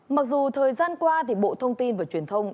mặc dù thời gian qua thì bộ thông tin và truyền thông